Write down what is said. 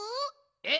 えっ？